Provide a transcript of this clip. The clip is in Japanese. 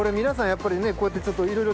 やっぱりねこうやって。